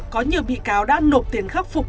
có nhiều bị cáo đã nộp tiền khắc phục